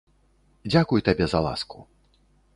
Дзякуй табе за ласку.